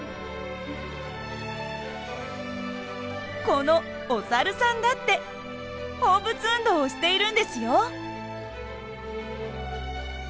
このお猿さんだって放物運動をしているんですよ。